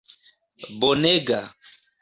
bonega